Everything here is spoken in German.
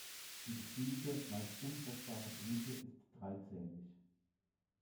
Die gestielte, meist unfruchtbare Blüte ist dreizählig.